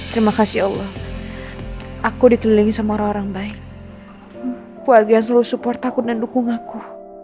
terima kasih allah aku dikelilingi sama orang orang baik keluarga yang selalu support takut dan dukung aku